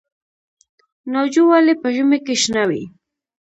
ناجو ولې په ژمي کې شنه وي؟